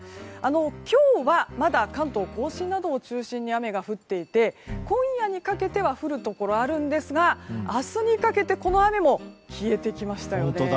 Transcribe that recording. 今日はまだ関東・甲信などを中心に雨が降っていて今夜にかけては降るところがあるんですが明日にかけてこの雨も消えてきました。